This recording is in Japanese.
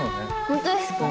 本当ですか！？